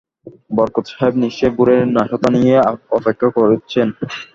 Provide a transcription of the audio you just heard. বরকত সাহেব নিশ্চয়ই ভোরের নাশতা নিয়ে অপেক্ষা করছেন।